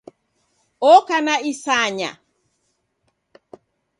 Oka na isanya.